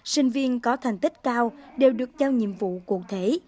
sinh viên có thành tích cao đều được giao nhiệm vụ cụ thể